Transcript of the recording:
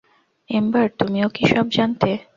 Ember, তুমিও কি সব জানতে?